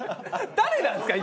誰なんすか？